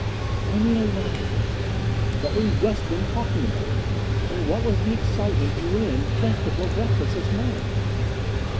"I mean a lot of things. What we've just been talking about. And what was the excitement you were in just before breakfast this morning?"